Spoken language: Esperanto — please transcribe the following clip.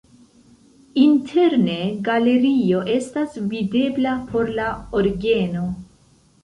Interne galerio estas videbla por la orgeno.